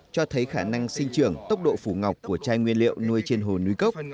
cho thấy khả năng sinh trưởng tốc độ phủ ngọc của chai nguyên liệu nuôi trên hồ núi cốc